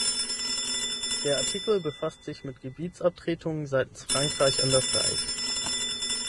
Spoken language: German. Der Artikel befasst sich mit Gebietsabtretungen seitens Frankreich an das Reich.